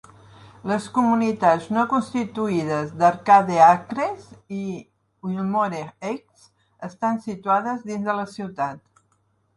Les comunitats no constituïdes d'Arcade Acres i Wilmoore Heights estan situades dins de la ciutat.